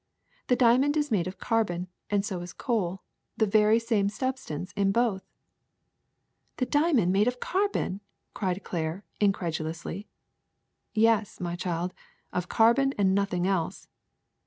The dia mond is made of carbon, and so is coal — the very same substance in both. ''^* The diamond made of carbon ?'' cried Claire, in credulously. ^^Yes, my child, of carbon and nothing else."